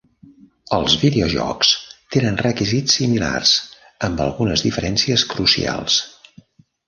Els videojocs tenen requisits similars, amb algunes diferències crucials.